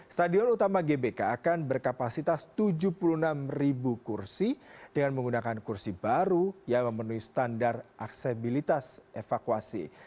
stadion utama gbk akan berkapasitas tujuh puluh enam kursi dengan menggunakan kursi baru yang memenuhi standar aksesibilitas evakuasi